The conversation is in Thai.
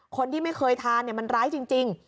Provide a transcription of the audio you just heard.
คนที่ไม่เคยทานมันร้ายจริง